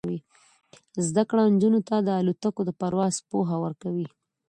زده کړه نجونو ته د الوتکو د پرواز پوهه ورکوي.